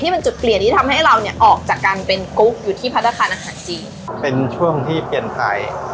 ประมาณนึงแต่ต้องให้เยอะ